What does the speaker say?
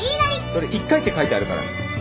それ１回って書いてあるからな。